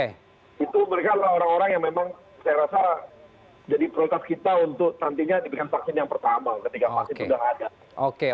itu mereka adalah orang orang yang memang saya rasa jadi prioritas kita untuk nantinya diberikan vaksin yang pertama ketika vaksin sudah ada